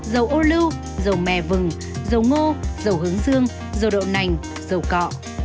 dầu ô lưu dầu mè vừng dầu ngô dầu hướng dương dầu đậu nành dầu cọ